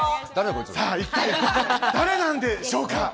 一体誰なんでしょうか？